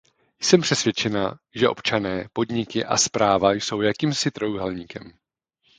Jsem přesvědčena, že občané, podniky a správa jsou jakýmsi trojúhelníkem.